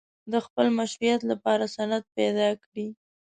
د خپل مشروعیت لپاره سند پیدا کړي.